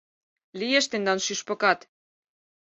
Лиеш тендан шӱшпыкат.